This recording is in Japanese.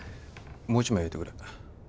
もう一枚焼いてくれ。